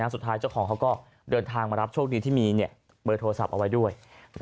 เจ้าของเขาก็เดินทางมารับโชคดีที่มีเบอร์โทรศัพท์เอาไว้ด้วย